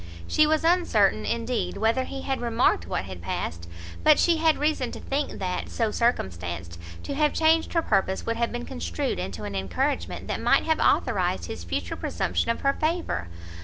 She was uncertain, indeed, whether he had remarked what had passed, but she had reason to think that, so circumstanced, to have changed her purpose, would have been construed into an encouragement that might have authorised his future presumption of her favour.